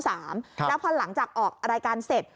แล้วพอหลังจากออกรายการเสร็จ